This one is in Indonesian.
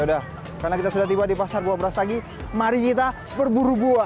ya sudah karena kita sudah tiba di pasar buah brastagi mari kita berburu buah